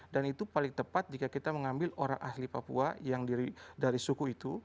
dan itu paling tepat jika kita mengambil orang ahli papua yang dari suku itu